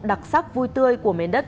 đặc sắc vui tươi của mến đất